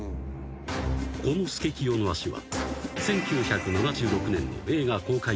［このスケキヨの足は１９７６年の映画公開